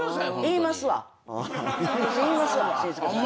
言いますわ紳助さんに。